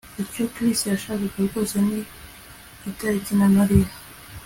Icyo Chris yashakaga rwose ni itariki na Mariya